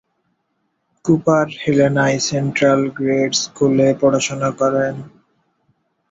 Cooper হেলেনায় central grade স্কুলে পড়াশুনা করেন।